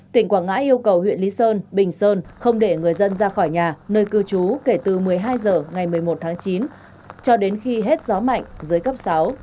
tỉnh quảng ngãi yêu cầu huyện lý sơn bình sơn không để người dân ra khỏi nhà nơi cư trú kể từ một mươi hai h ngày một mươi một tháng chín cho đến khi hết gió mạnh dưới cấp sáu